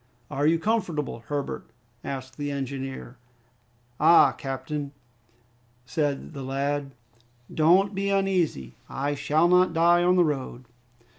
"Are you comfortable, Herbert?" asked the engineer. "Ah, captain," replied the lad, "don't be uneasy, I shall not die on the road!"